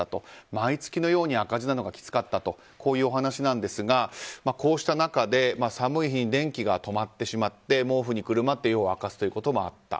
毎月のように赤字なのがきつかったとこういうお話なんですがこうした中で、寒い日に電気が止まってしまって毛布にくるまって夜を明かすということもあった。